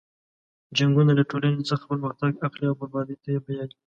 جنګونه له ټولنې څخه پرمختګ اخلي او بربادۍ ته یې بیایي.